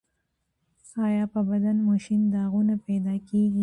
ایا په بدن مو شین داغونه پیدا کیږي؟